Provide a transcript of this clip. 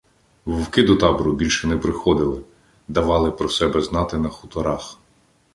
Вовки до табору більше не приходили — давали про себе знати на хуторах.